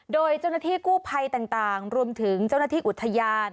โดยเจ้าหน้าที่กู้ภัยต่างรวมถึงเจ้าหน้าที่อุทยาน